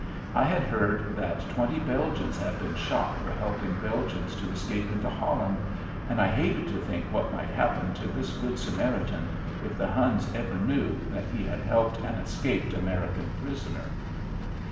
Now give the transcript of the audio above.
I had heard that twenty Belgians had been shot for helping Belgians to escape into Holland, and I hated to think what might happen to this Good Samaritan if the Huns ever knew that he had helped an escaped American prisoner.